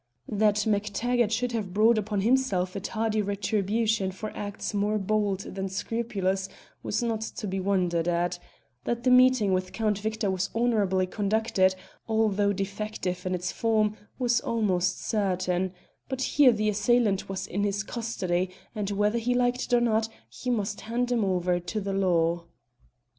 That MacTaggart should have brought upon himself a tardy retribution for acts more bold than scrupulous was not to be wondered at; that the meeting with Count Victor was honourably conducted, although defective in its form, was almost certain; but here the assailant was in his custody, and whether he liked it or not he must hand him over to the law.